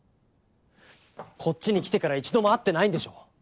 こっちに来てから一度も会ってないんでしょ？